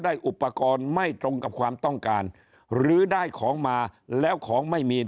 อุปกรณ์ไม่ตรงกับความต้องการหรือได้ของมาแล้วของไม่มี